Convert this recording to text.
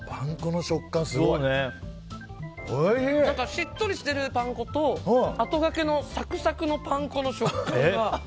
しっとりしているパン粉とあとがけのサクサクのパン粉の食感が。